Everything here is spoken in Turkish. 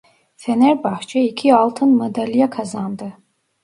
Fenerbahçe iki altın madalya kazandı.